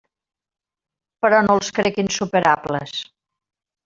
Però no els crec insuperables.